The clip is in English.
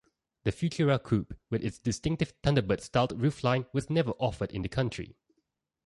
The Futura coupe with its distinctive Thunderbird-styled roofline was never offered in the country.